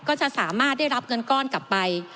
ก็จะสามารถได้รับเงินก้อนกลับไป